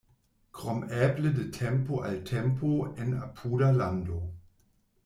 Krom eble de tempo al tempo en apuda lando.